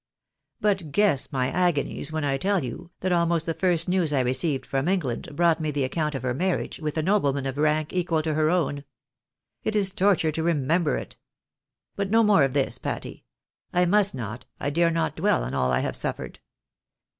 But guess my agonies when I tell you, that almost the first news I received from England, brought me the account of her marriage with a nobleman of rank equal to her own ! It is torture to remember it. But no more of this, Patty. I must not, I dare not dwell on all I have suffered.